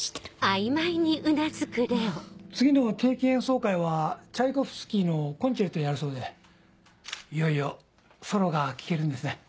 次の定期演奏会はチャイコフスキーの『コンチェルト』やるそうでいよいよソロが聴けるんですね。